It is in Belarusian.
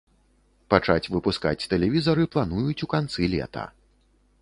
Пачаць выпускаць тэлевізары плануюць у канцы лета.